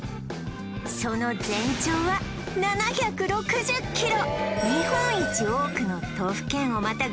その全長は７６０ｋｍ！